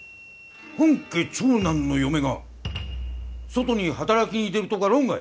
本家長男の嫁が外に働きに出るとか論外。